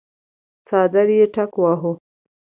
څادر يې ټکواهه.